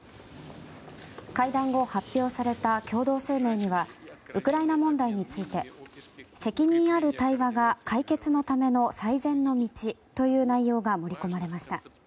会談後、発表された共同声明にはウクライナ問題について責任ある対話が解決のための最善の道という内容が盛り込まれました。